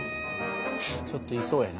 ちょっといそうやな。